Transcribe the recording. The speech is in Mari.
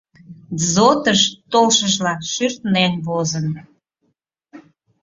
— ДЗОТ-ыш толшыжла «шӱртнен» возын.